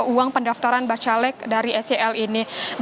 uang pendaftaran bacalek dari sel ini